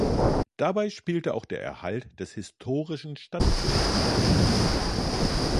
Dabei spielte auch der Erhalt des historischen Stadtbildes eine Rolle.